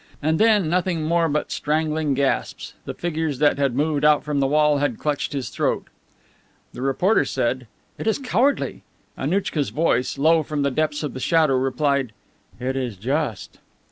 And then nothing more but strangling gasps. The figures that had moved out from the wall had clutched his throat. The reporter said, "It is cowardly." Annouchka's voice, low, from the depths of shadow, replied, "It is just."